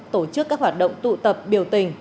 tổ chức các hoạt động tụ tập biểu tình